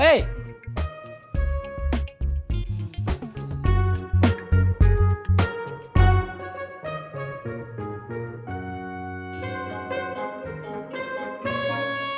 kasih tau aja bang